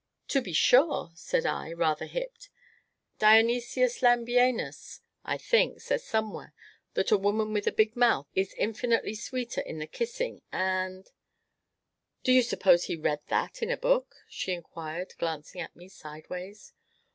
"To be sure," said I, rather hipped, "Dionysius Lambienus, I think, says somewhere that a woman with a big mouth is infinitely sweeter in the kissing and " "Do you suppose he read that in a book?" she inquired, glancing at me sideways.